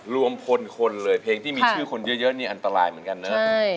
รวมพลคนเลยเพลงที่มีชื่อคนเยอะนี่อันตรายเหมือนกันนะ